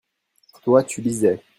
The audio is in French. toi, tu lisais.